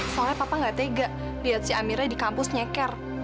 soalnya papa nggak tega lihat si amirnya di kampus nyeker